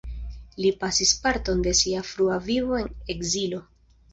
Li pasis parton de sia frua vivo en ekzilo.